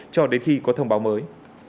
cho đến khi có thông báo mới